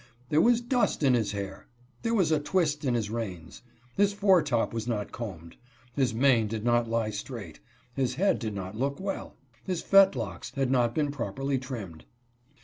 "There was dust in his hair ;"" there was a twist in his reins ;"" his foretop was not combed ;"" his mane did not lie straight ;"" his head did not look well ;"" his fetlocks had not been properly trimmed."